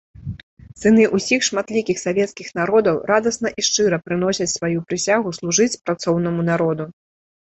Сыны ўсіх шматлікіх савецкіх народаў радасна і шчыра прыносяць сваю прысягу служыць працоўнаму народу.